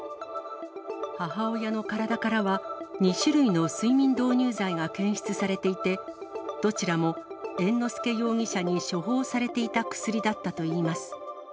母親の体からは、２種類の睡眠導入剤が検出されていて、どちらも猿之助容疑者に処方されていた薬だったといいます。